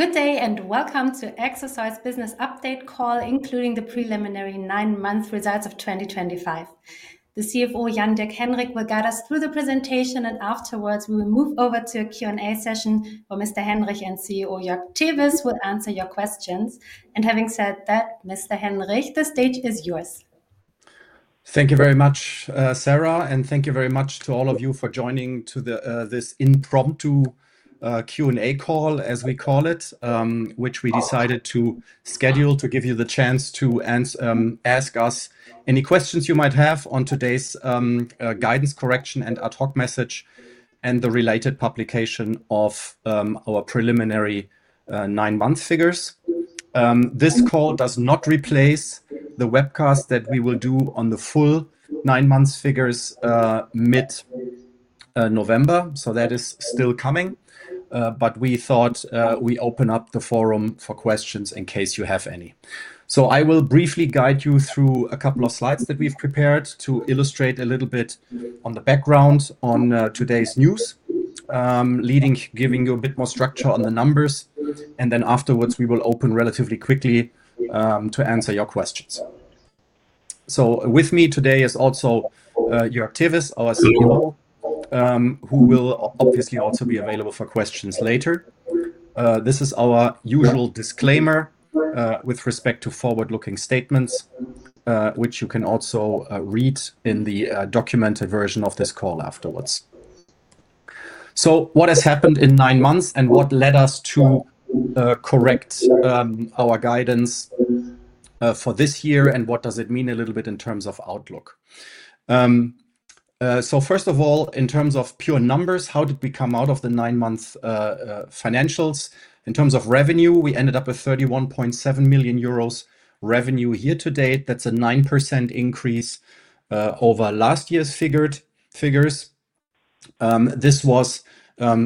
Good day and welcome to Exasol's business update call, including the preliminary nine-month results of 2025. The CFO, Jan-Dirk Henrich, will guide us through the presentation. Afterwards, we will move over to a Q&A session where Mr. Henrich and CEO Joerg Tewes will answer your questions. Having said that, Mr. Henrich, the stage is yours. Thank you very much, Sarah, and thank you very much to all of you for joining this impromptu Q&A call, as we call it, which we decided to schedule to give you the chance to ask us any questions you might have on today's guidance, correction, and ad hoc message, and the related publication of our preliminary nine-month figures. This call does not replace the webcast that we will do on the full nine-month figures mid-November. That is still coming. We thought we'd open up the forum for questions in case you have any. I will briefly guide you through a couple of slides that we've prepared to illustrate a little bit on the background on today's news, giving you a bit more structure on the numbers. Afterwards, we will open relatively quickly to answer your questions. With me today is also Joerg Tewes, our CEO, who will obviously also be available for questions later. This is our usual disclaimer with respect to forward-looking statements, which you can also read in the documented version of this call afterwards. What has happened in nine months and what led us to correct our guidance for this year, and what does it mean a little bit in terms of outlook? First of all, in terms of pure numbers, how did we come out of the nine-month financials? In terms of revenue, we ended up with 31.7 million euros revenue year to date. That's a 9% increase over last year's figures. This was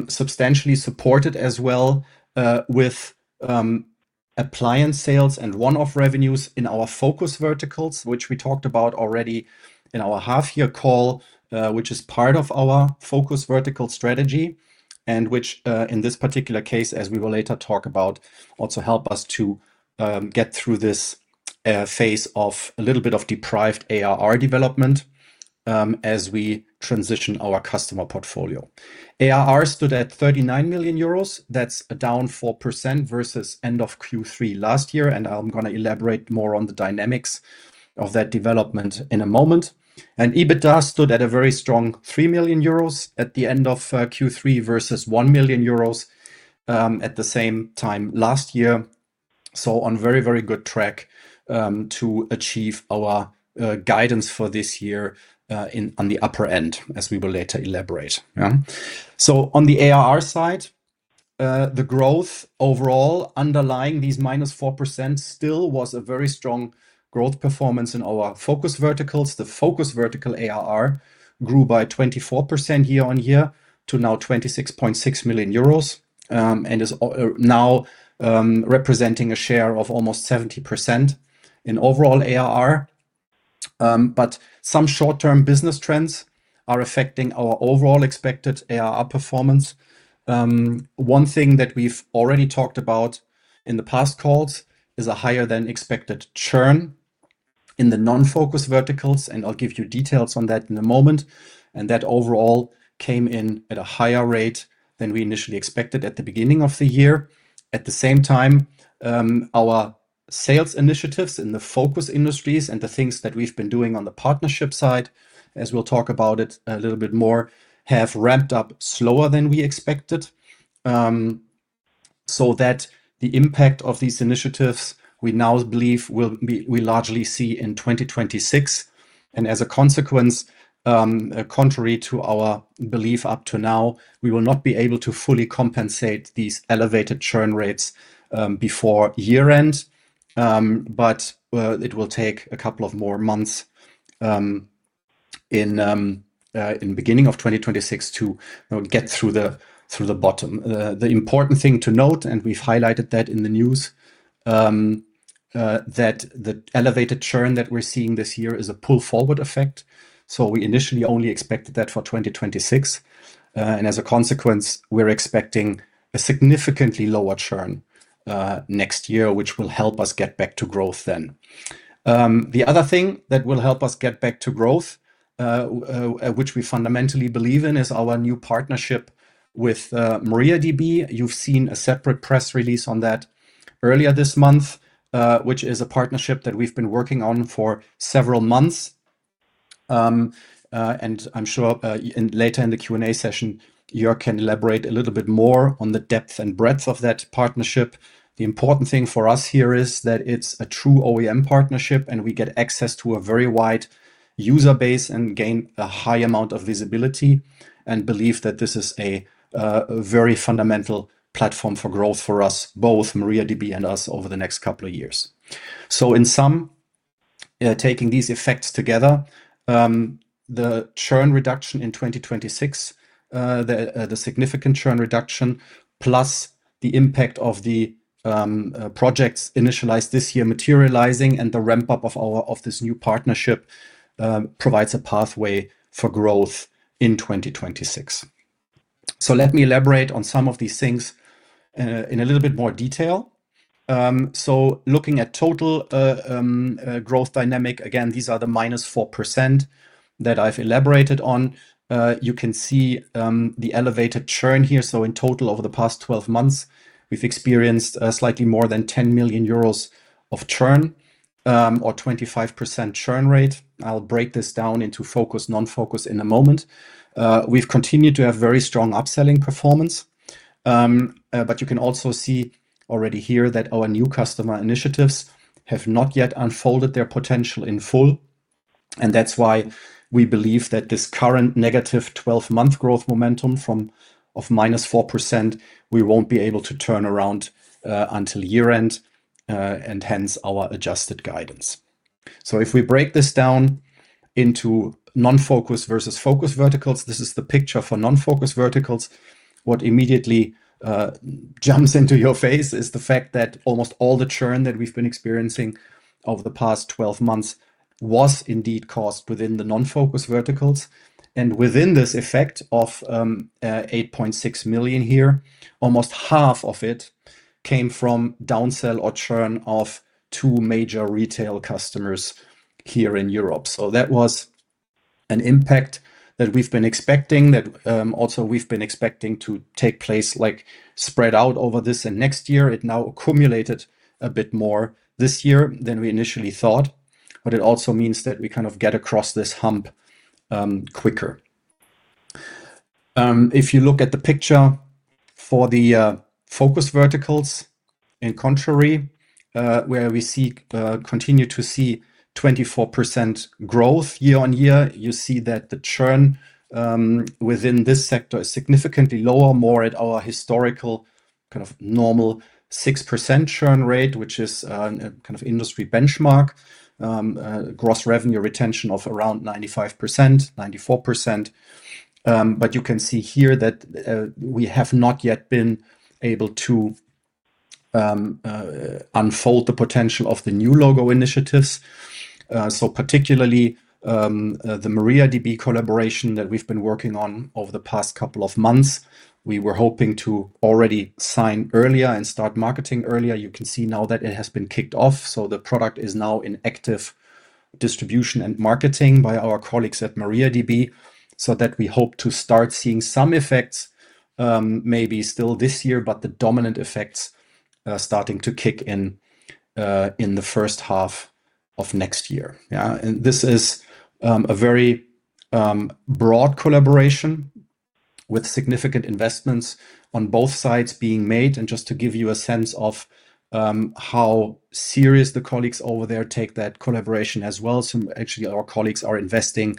substantially supported as well with appliance sales and one-off revenues in our focus verticals, which we talked about already in our half-year call, which is part of our focus vertical strategy, and which, in this particular case, as we will later talk about, also help us to get through this phase of a little bit of deprived ARR development as we transition our customer portfolio. ARR stood at 39 million euros. That's down 4% versus end of Q3 last year. I'm going to elaborate more on the dynamics of that development in a moment. EBITDA stood at a very strong 3 million euros at the end of Q3 versus 1 million euros at the same time last year. We are on very, very good track to achieve our guidance for this year on the upper end, as we will later elaborate. On the ARR side, the growth overall underlying these -4% still was a very strong growth performance in our focus verticals. The focus vertical ARR grew by 24% year on year to now 26.6 million euros and is now representing a share of almost 70% in overall ARR. Some short-term business trends are affecting our overall expected ARR performance. One thing that we've already talked about in past calls is a higher than expected churn in the non-focus verticals. I'll give you details on that in a moment. That overall came in at a higher rate than we initially expected at the beginning of the year. At the same time, our sales initiatives in the focus industries and the things that we've been doing on the partnership side, as we'll talk about a little bit more, have ramped up slower than we expected. The impact of these initiatives we now believe we'll largely see in 2026. As a consequence, contrary to our belief up to now, we will not be able to fully compensate these elevated churn rates before year-end. It will take a couple of more months in the beginning of 2026 to get through the bottom. The important thing to note, and we've highlighted that in the news, is that the elevated churn that we're seeing this year is a pull-forward effect. We initially only expected that for 2026. As a consequence, we're expecting a significantly lower churn next year, which will help us get back to growth then. The other thing that will help us get back to growth, which we fundamentally believe in, is our new partnership with MariaDB. You've seen a separate press release on that earlier this month, which is a partnership that we've been working on for several months. I'm sure later in the Q&A session, Joerg can elaborate a little bit more on the depth and breadth of that partnership. The important thing for us here is that it's a true OEM partnership, and we get access to a very wide user base and gain a high amount of visibility and believe that this is a very fundamental platform for growth for us, both MariaDB and us, over the next couple of years. In summary, taking these effects together, the churn reduction in 2026, the significant churn reduction, plus the impact of the projects initialized this year materializing and the ramp-up of this new partnership provides a pathway for growth in 2026. Let me elaborate on some of these things in a little bit more detail. Looking at total growth dynamic, again, these are the -4% that I've elaborated on. You can see the elevated churn here. In total, over the past 12 months, we've experienced slightly more than 10 million euros of churn or 25% churn rate. I'll break this down into focus, non-focus in a moment. We've continued to have very strong upselling performance. You can also see already here that our new customer initiatives have not yet unfolded their potential in full. That's why we believe that this current negative 12-month growth momentum of -4% will not be able to turn around until year-end and hence our adjusted guidance. If we break this down into non-focus versus focus verticals, this is the picture for non-focus verticals. What immediately jumps into your face is the fact that almost all the churn that we've been experiencing over the past 12 months was indeed caused within the non-focus verticals. Within this effect of 8.6 million here, almost half of it came from downsell or churn of two major retail customers here in Europe. That was an impact that we've been expecting, that also we've been expecting to take place spread out over this and next year. It now accumulated a bit more this year than we initially thought. It also means that we kind of get across this hump quicker. If you look at the picture for the focus verticals, in contrary, where we continue to see 24% growth year on year, you see that the churn within this sector is significantly lower, more at our historical kind of normal 6% churn rate, which is a kind of industry benchmark, gross revenue retention of around 95%, 94%. You can see here that we have not yet been able to unfold the potential of the new logo initiatives. Particularly the MariaDB collaboration that we've been working on over the past couple of months, we were hoping to already sign earlier and start marketing earlier. You can see now that it has been kicked off. The product is now in active distribution and marketing by our colleagues at MariaDB. We hope to start seeing some effects maybe still this year, but the dominant effects are starting to kick in in the first half of next year. This is a very broad collaboration with significant investments on both sides being made. Just to give you a sense of how serious the colleagues over there take that collaboration as well, our colleagues are investing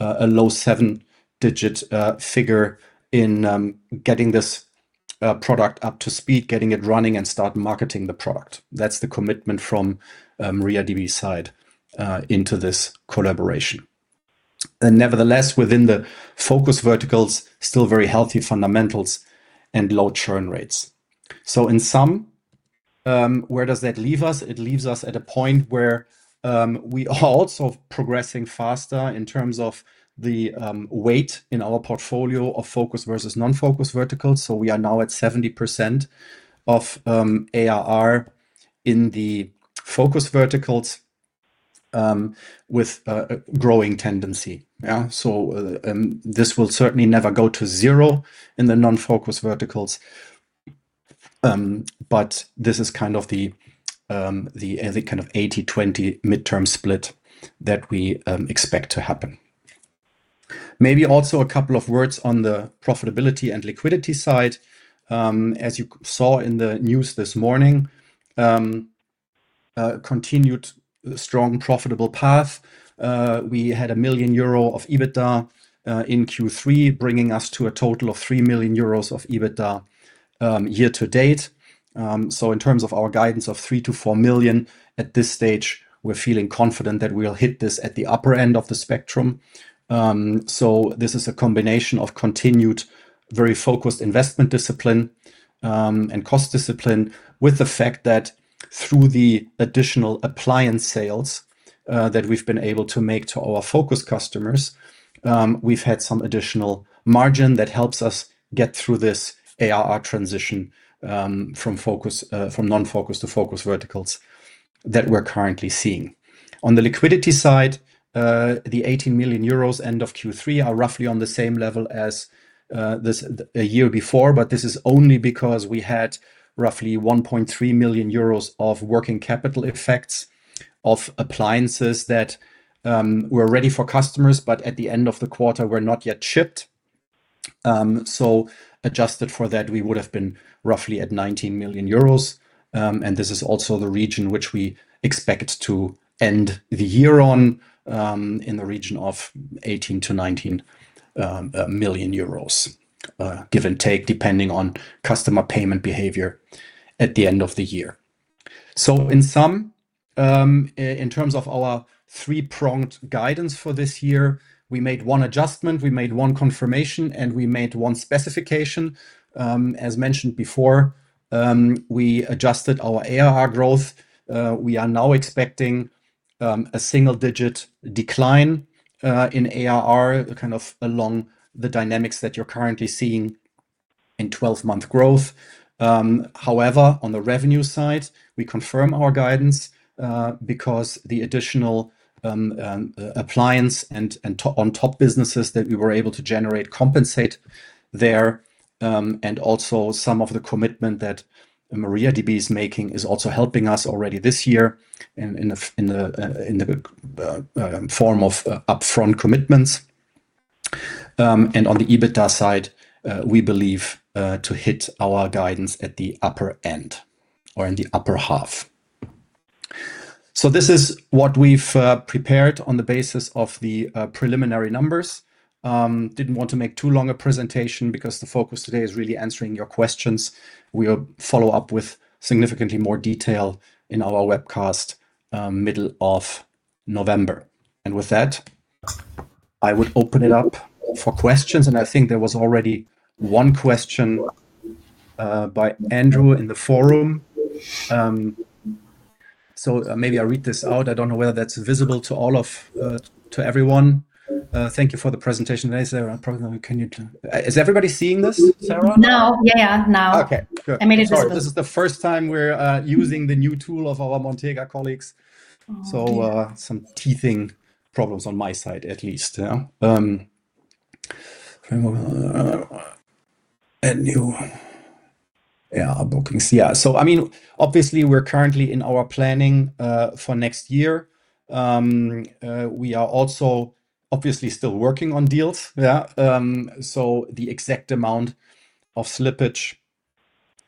a low seven-digit figure in getting this product up to speed, getting it running, and start marketing the product. That's the commitment from MariaDB's side into this collaboration. Nevertheless, within the focus verticals, still very healthy fundamentals and low churn rates. In sum, where does that leave us? It leaves us at a point where we are also progressing faster in terms of the weight in our portfolio of focus versus non-focus verticals. We are now at 70% of ARR in the focus verticals with a growing tendency. This will certainly never go to zero in the non-focus verticals. This is kind of the kind of 80/20 midterm split that we expect to happen. Maybe also a couple of words on the profitability and liquidity side. As you saw in the news this morning, continued strong profitable path. We had 1 million euro of EBITDA in Q3, bringing us to a total of 3 million euros of EBITDA year to date. In terms of our guidance of 3 million-4 million at this stage, we're feeling confident that we'll hit this at the upper end of the spectrum. This is a combination of continued very focused investment discipline and cost discipline with the fact that through the additional appliance sales that we've been able to make to our focus customers, we've had some additional margin that helps us get through this ARR transition from non-focus to focus verticals that we're currently seeing. On the liquidity side, the 18 million euros end of Q3 are roughly on the same level as a year before. This is only because we had roughly 1.3 million euros of working capital effects of appliances that were ready for customers, but at the end of the quarter, were not yet shipped. Adjusted for that, we would have been roughly at 19 million euros. This is also the region which we expect to end the year on in the region of 18 million-19 million euros, give and take, depending on customer payment behavior at the end of the year. In sum, in terms of our three-pronged guidance for this year, we made one adjustment, we made one confirmation, and we made one specification. As mentioned before, we adjusted our ARR growth. We are now expecting a single-digit decline in ARR kind of along the dynamics that you're currently seeing in 12-month growth. However, on the revenue side, we confirm our guidance because the additional appliance and on-top businesses that we were able to generate compensate there. Also, some of the commitment that MariaDB is making is also helping us already this year in the form of upfront commitments. On the EBITDA side, we believe to hit our guidance at the upper end or in the upper half. This is what we've prepared on the basis of the preliminary numbers. Didn't want to make too long a presentation because the focus today is really answering your questions. We'll follow up with significantly more detail in our webcast middle of November. With that, I would open it up for questions. I think there was already one question by Andrew in the forum. Maybe I'll read this out. I don't know whether that's visible to all of everyone. Thank you for the presentation today, Sarah. Is everybody seeing this, Sarah? No, yeah, no. Okay. Good. I made it visible. This is the first time we're using the new tool of our Montega colleagues. Some teething problems on my side, at least. Add new ARR bookings. Yeah. Obviously, we're currently in our planning for next year. We are also obviously still working on deals. The exact amount of slippage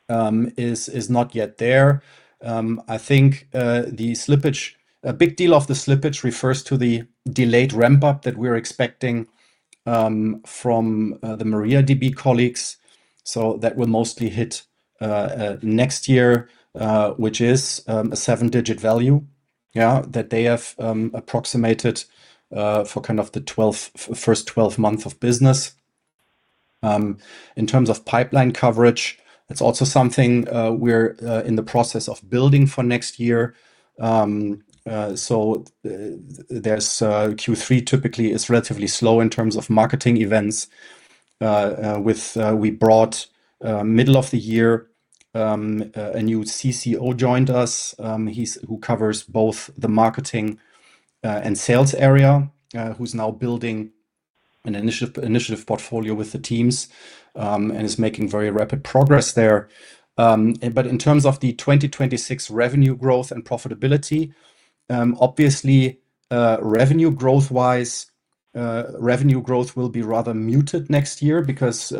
is not yet there. I think the slippage, a big deal of the slippage refers to the delayed ramp-up that we're expecting from the MariaDB colleagues. That will mostly hit next year, which is a seven-digit value, yeah, that they have approximated for kind of the first 12 months of business. In terms of pipeline coverage, that's also something we're in the process of building for next year. Q3 typically is relatively slow in terms of marketing events. We brought middle of the year, a new CCO joined us, who covers both the marketing and sales area, who's now building an initiative portfolio with the teams and is making very rapid progress there. In terms of the 2026 revenue growth and profitability, obviously, revenue growth-wise, revenue growth will be rather muted next year because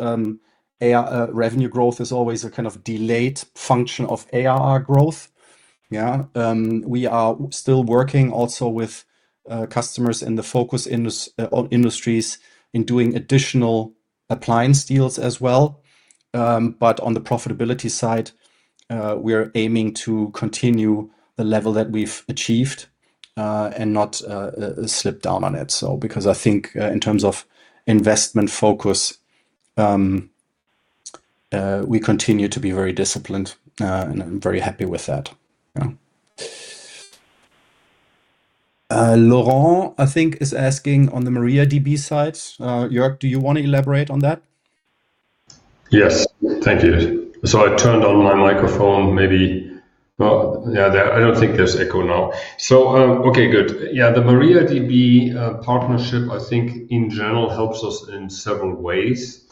revenue growth is always a kind of delayed function of ARR growth. We are still working also with customers in the focus industries in doing additional appliance deals as well. On the profitability side, we're aiming to continue the level that we've achieved and not slip down on it. I think in terms of investment focus, we continue to be very disciplined, and I'm very happy with that. Laurent, I think, is asking on the MariaDB side. Joerg, do you want to elaborate on that? Yes. Thank you. I turned on my microphone. I don't think there's echo now. Okay, good. The MariaDB partnership, I think, in general, helps us in several ways.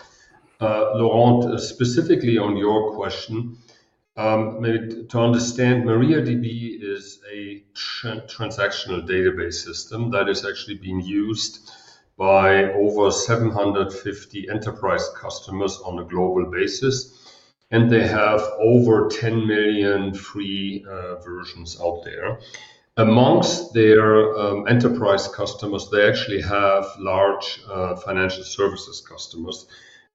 Laurent, specifically on your question, maybe to understand, MariaDB is a transactional database system that is actually being used by over 750 enterprise customers on a global basis. They have over 10 million free versions out there. Amongst their enterprise customers, they actually have large financial services customers.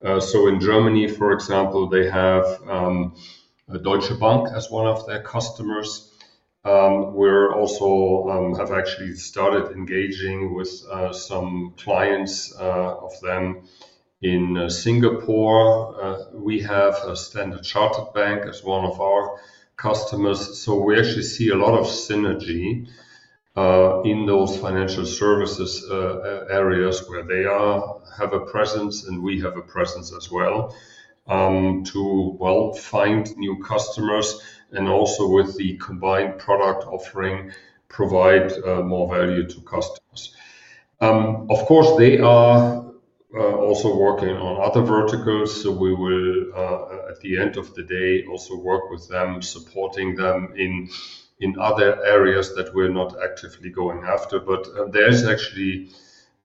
In Germany, for example, they have Deutsche Bank as one of their customers. We also have actually started engaging with some clients of theirs in Singapore. We have Standard Chartered Bank as one of our customers. We actually see a lot of synergy in those financial services areas where they have a presence and we have a presence as well to find new customers and also with the combined product offering provide more value to customers. Of course, they are also working on other verticals. We will, at the end of the day, also work with them, supporting them in other areas that we're not actively going after. There's actually,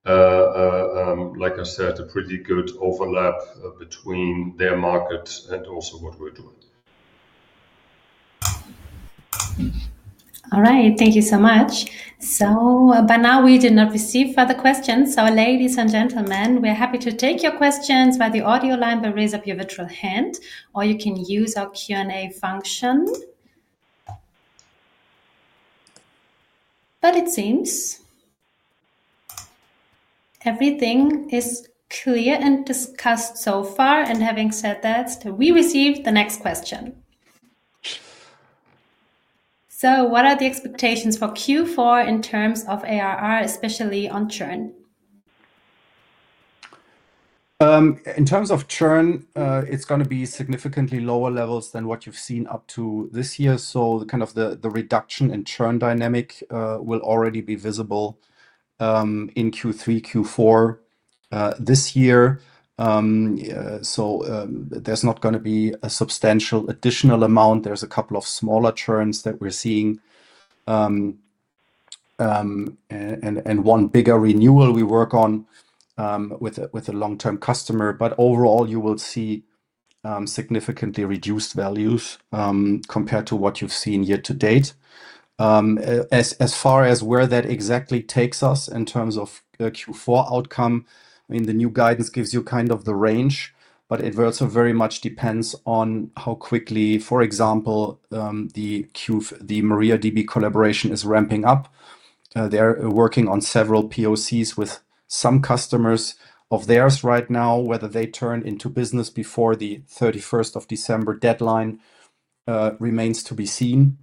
like I said, a pretty good overlap between their market and also what we're doing. All right. Thank you so much. By now, we did not receive further questions. Ladies and gentlemen, we're happy to take your questions by the audio line by raising up your virtual hand, or you can use our Q&A function. It seems everything is clear and discussed so far. Having said that, we received the next question. What are the expectations for Q4 in terms of ARR, especially on churn? In terms of churn, it's going to be significantly lower levels than what you've seen up to this year. The reduction in churn dynamic will already be visible in Q3, Q4 this year. There's not going to be a substantial additional amount. There's a couple of smaller churns that we're seeing and one bigger renewal we work on with a long-term customer. Overall, you will see significantly reduced values compared to what you've seen year to date. As far as where that exactly takes us in terms of Q4 outcome, the new guidance gives you the range, but it also very much depends on how quickly, for example, the MariaDB collaboration is ramping up. They're working on several POCs with some customers of theirs right now. Whether they turn into business before the December 31st deadline remains to be seen.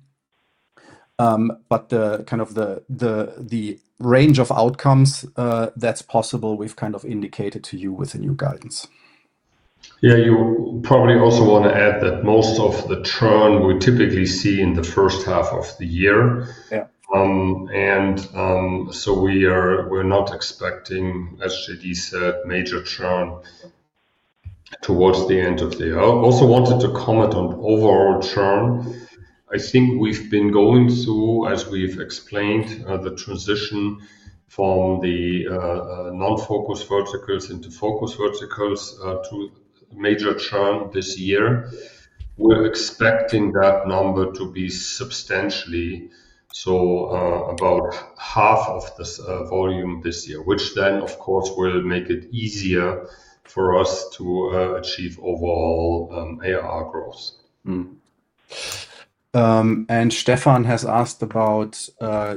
The range of outcomes that's possible, we've indicated to you with the new guidance. You probably also want to add that most of the churn we typically see in the first half of the year. We're not expecting, as JD said, major churn towards the end of the year. I also wanted to comment on overall churn. I think we've been going through, as we've explained, the transition from the non-focus verticals into focus verticals to major churn this year. We're expecting that number to be substantially, so about half of this volume this year, which then, of course, will make it easier for us to achieve overall ARR growth. Stefan has asked about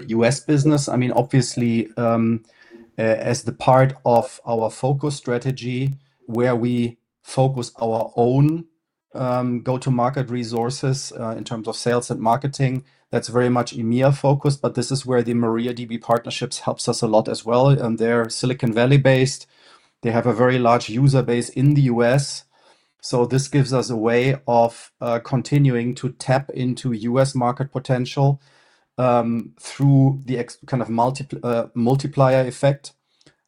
U.S. business. Obviously, as part of our focus strategy where we focus our own go-to-market resources in terms of sales and marketing, that's very much EMEA focused. This is where the MariaDB partnership helps us a lot as well. They're Silicon Valley based and have a very large user base in the U.S. This gives us a way of continuing to tap into U.S. market potential through the kind of multiplier effect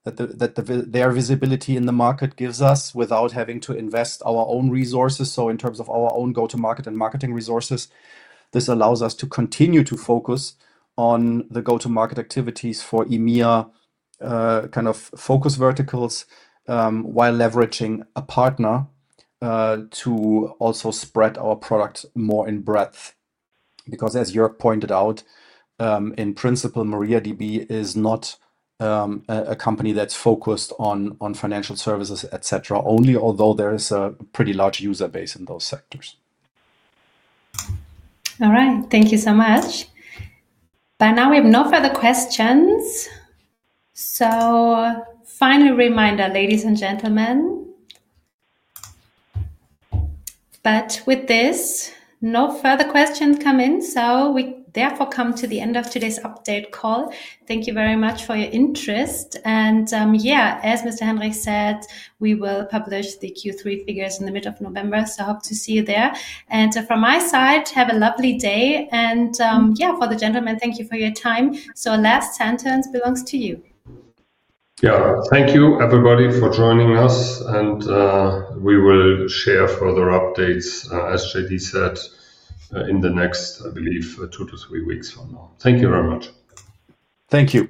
that their visibility in the market gives us without having to invest our own resources. In terms of our own go-to-market and marketing resources, this allows us to continue to focus on the go-to-market activities for EMEA focus verticals while leveraging a partner to also spread our product more in breadth. As Joerg pointed out, in principle, MariaDB is not a company that's focused on financial services, etc., only, although there is a pretty large user base in those sectors. All right. Thank you so much. By now, we have no further questions. Final reminder, ladies and gentlemen, with this, no further questions come in. We therefore come to the end of today's update call. Thank you very much for your interest. As Mr. Henrich said, we will publish the Q3 figures in the middle of November. I hope to see you there. From my side, have a lovely day. For the gentlemen, thank you for your time. Last sentence belongs to you. Thank you, everybody, for joining us. We will share further updates, as JD said, in the next, I believe, two to three weeks from now. Thank you very much. Thank you.